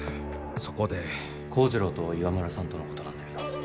そこで幸次郎と岩村さんとのことなんだけど